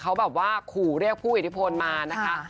เขาแบบว่าขู่เรียกผู้อิทธิพลมานะคะ